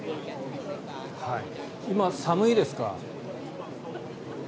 今、寒いですか？